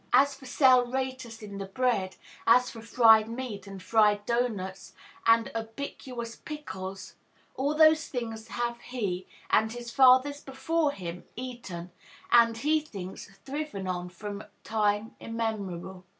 As for saleratus in the bread, as for fried meat, and fried doughnuts, and ubiquitous pickles, all those things have he, and his fathers before him, eaten, and, he thinks, thriven on from time immemorial.